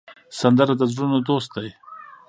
سندره د زړونو دوست ده